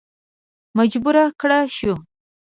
مجبور کړه شو.